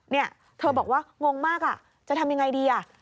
เนี่ยเธอบอกว่างงมากอ่ะจะทำยังไงดีอ่ะ